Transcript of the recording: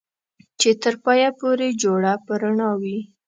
چې تر پايه پورې جوړه په رڼا وي